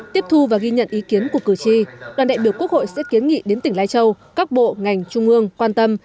tiếp thu và ghi nhận ý kiến của cử tri đoàn đại biểu quốc hội sẽ kiến nghị đến tỉnh lai châu các bộ ngành trung ương quan tâm